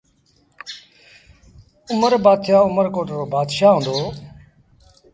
اُمر بآتشآه اُمر ڪوٽ رو بآتشآه هُݩدو۔